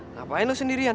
ngapain lo sendirian